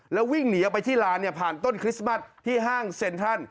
แล้ววิ่งหนีออกไปที่ลานผ่านต้นคริสต์มัสที่ห้างเซ็นทรัล